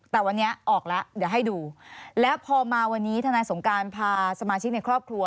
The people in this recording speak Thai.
แต่วันนี้ออกแล้วเดี๋ยวให้ดูแล้วพอมาวันนี้ทนายสงการพาสมาชิกในครอบครัว